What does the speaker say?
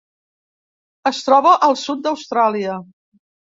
Es troba al sud d'Austràlia: